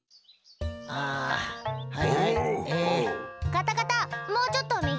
カタカタもうちょっと右。